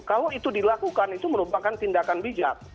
kalau itu dilakukan itu merupakan tindakan bijak